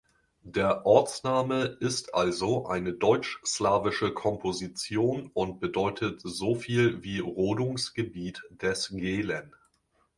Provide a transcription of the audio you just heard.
Der Ortsname ist also eine deutsch-slawische Komposition und bedeutet soviel wie "Rodungsgebiet des Gelen".